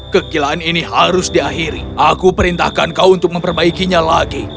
kekilaan ini harus diakhiri aku perintahkan kau untuk memperbaikinya lagi